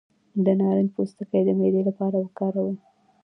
د نارنج پوستکی د معدې لپاره وکاروئ